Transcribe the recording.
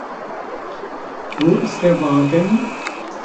Wo ist der Wagen?